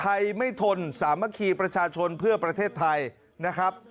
ไทยไม่ทนสามัคคีประชาชนเพื่อประเทศไทยนะครับ